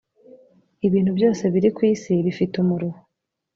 ibintu byose birikwisi bifite umuruho